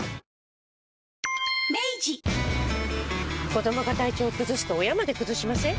子どもが体調崩すと親まで崩しません？